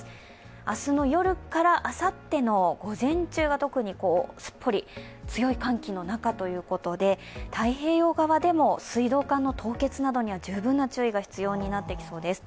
明日の夜から、あさっての午前中が特にすっぽり強い寒気の中ということで、太平洋側でも水道管の凍結などには十分な注意が必要になってきそうです。